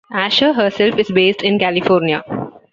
Asher herself is based in California.